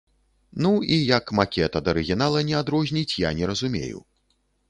Ну, і як макет ад арыгінала не адрозніць, я не разумею.